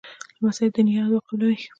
لمسی د نیا دعا قبلوي.